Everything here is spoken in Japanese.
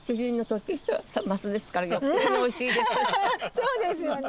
そうですよね。